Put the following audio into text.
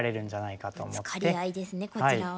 ぶつかり合いですねこちらは。